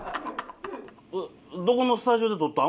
どこのスタジオで録ったん？